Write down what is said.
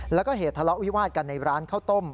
แล้วก็เหตุทะเลาะวิวาดกันในร้านข้าวต้ม